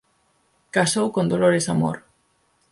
Casou con Dolores Amor.